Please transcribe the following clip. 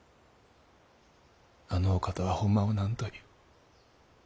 あのお方はほんまは何という。